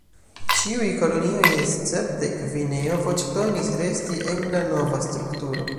Ĉiuj kolonioj escepte Gvineo voĉdonis resti en la nova strukturo.